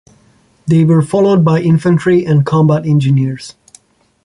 They were followed by infantry and combat engineers.